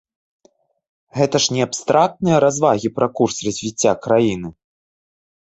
Гэта ж не абстрактныя развагі пра курс развіцця краіны!